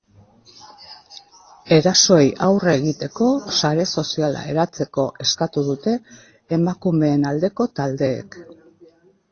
Erasoei aurre egiteko sare soziala eratzeko eskatu dute emakumeen aldeko taldeek.